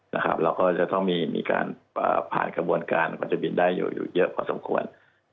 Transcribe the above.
แล้วก็จะต้องมีการผ่านกระบวนการก็จะบินได้อยู่เยอะพอสมควร